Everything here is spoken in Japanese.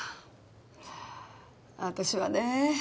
私はね